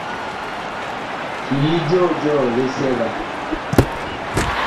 Cii joo jɔɔ lisɛ va.